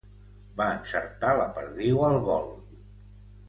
Va encertar la perdiu al vol.